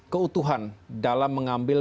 keutuhan dalam mengambil